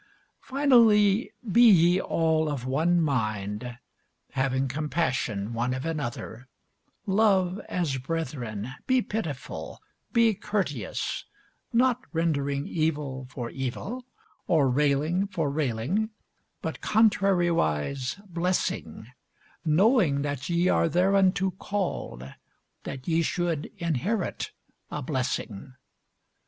Finally, be ye all of one mind, having compassion one of another, love as brethren, be pitiful, be courteous: not rendering evil for evil, or railing for railing: but contrariwise blessing; knowing that ye are thereunto called, that ye should inherit a blessing.